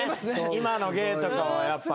今の芸とかはやっぱ。